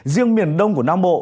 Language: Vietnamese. riêng miền đông của nam bộ